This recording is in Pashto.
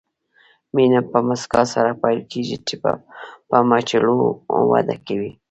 مینه په مسکا سره پیل کېږي، په مچولو وده کوي.